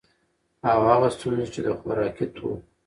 او هغه ستونزي چي د خوراکي توکو